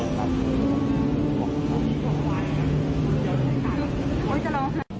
อืม